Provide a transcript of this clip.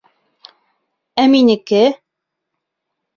Ә минеке...